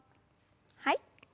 はい。